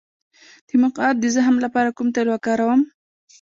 د مقعد د زخم لپاره کوم تېل وکاروم؟